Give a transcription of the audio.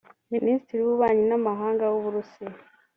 Minisitiri w’Ububanyi n’Amahanga w’u Burusiya